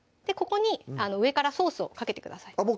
ここに上からソースをかけてください